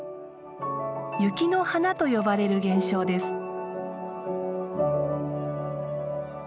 「雪の華」と呼ばれる現象です。